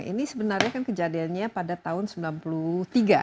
ini sebenarnya kan kejadiannya pada tahun seribu sembilan ratus sembilan puluh tiga